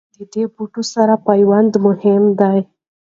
د دې بوټو سره پیوند مهم دی.